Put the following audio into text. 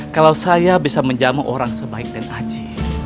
kalau saya bisa menjamu orang sebaik dan aji